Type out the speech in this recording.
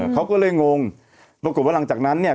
เขาก็เลยงงปรากฏว่าหลังจากนั้นเนี่ย